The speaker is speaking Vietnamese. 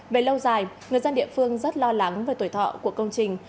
về lâu dài người dân địa phương rất lo lắng về tuổi thọ của công trình